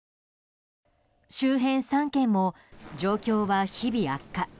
周辺３県も、状況は日々悪化。